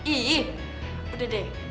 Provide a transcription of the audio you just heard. ih udah deh